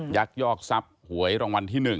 ยักยอกทรัพย์หวยรางวัลที่๑